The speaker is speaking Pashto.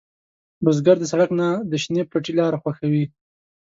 بزګر د سړک نه، د شنې پټي لاره خوښوي